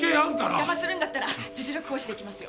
邪魔するんだったら実力行使でいきますよ。